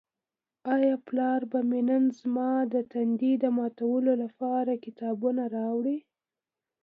آیا پلار به مې نن زما د تندې د ماتولو لپاره کتابونه راوړي؟